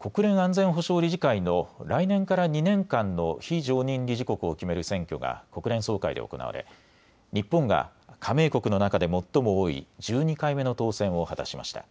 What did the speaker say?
国連安全保障理事会の来年から２年間の非常任理事国を決める選挙が国連総会で行われ日本が加盟国の中で最も多い１２回目の当選を果たしました。